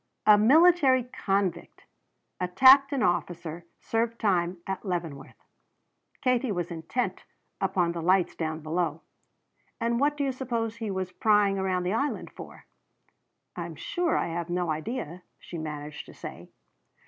"A military convict. Attacked an officer. Served time at Leavenworth." Katie was intent upon the lights down below. "And what do you suppose he was prying around the Island for?" "I'm sure I have no idea," she managed to say.